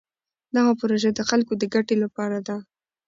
دغه پروژه د خلکو د ګټې لپاره ده.